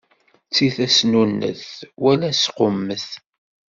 Ttif asnunnet wala asqummet.